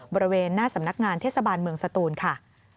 บริเวณหน้าสำนักงานเทศบาลเมืองสตูนค่ะ